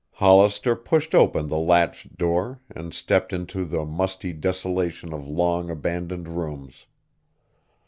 Hollister pushed open the latched door and stepped into the musty desolation of long abandoned rooms.